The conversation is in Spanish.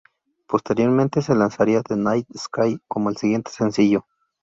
Posteriormente, se lanzaría The Night Sky como el siguiente sencillo.